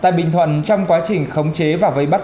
tại bình thuận trong quá trình khống chế và vây bắt